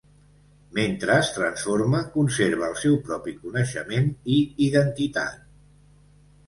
Mentre es transforma, conserva el seu propi coneixement i identitat.